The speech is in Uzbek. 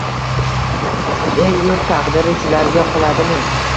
El-yurt taqdiri shularga qoladimi?